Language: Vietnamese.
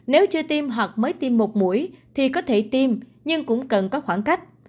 nếu chưa tiêm hoặc mới tiêm một mũi thì có thể tiêm nhưng cũng cần có khoảng cách